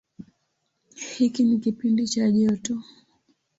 Hiki ni kipindi cha joto.